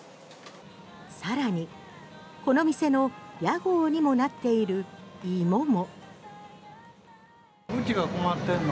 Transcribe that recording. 更にこの店の屋号にもなっている芋も。